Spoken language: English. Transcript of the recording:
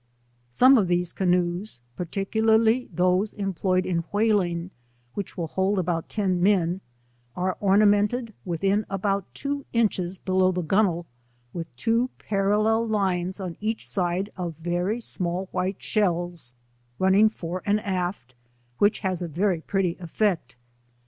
Some of these canoes, particularly those employ ed in whaling, which will hold about ten men, are ornamented within about two inches below the gun wale, with two parallel lines on each side of very small white shells, fanning fore and aft, which lias a very pretty effect.